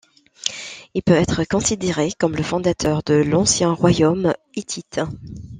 Il peut être considéré comme le fondateur de l'ancien royaume hittite.